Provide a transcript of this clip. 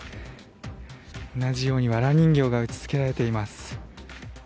同じように、わら人形が打ち付けられています。